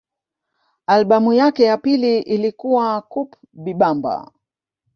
Albamu yake ya pili ilikuwa Coupe Bibamba